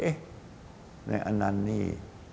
เอ๊ะในอันนั้นนี่